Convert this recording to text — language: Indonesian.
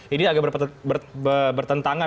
ini agak bertentangan